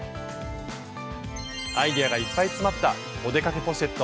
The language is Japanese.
アイデアがいっぱい詰まった「お出かけポシェット」。